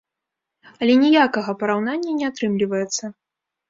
Але ніякага параўнання не атрымліваецца.